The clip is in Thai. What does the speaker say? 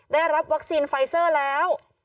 ได้รับวัคซีนไฟเซอร์แล้ว